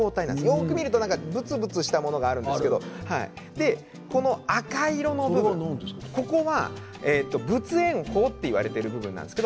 よく見るとぶつぶつしたものがあるんですけどこの赤色の部分は仏炎苞といわれる部分です。